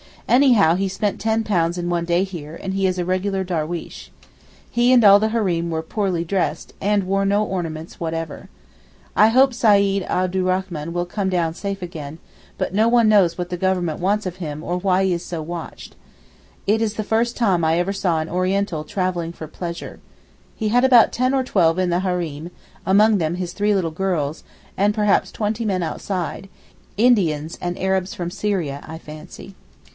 Anyhow he spent £10 in one day here, and he is a regular darweesh. He and all the Hareem were poorly dressed and wore no ornaments whatever. I hope Seyd Abdurachman will come down safe again, but no one knows what the Government wants of him or why he is so watched. It is the first time I ever saw an Oriental travelling for pleasure. He had about ten or twelve in the hareem, among them his three little girls, and perhaps twenty men outside, Indians, and Arabs from Syria, I fancy.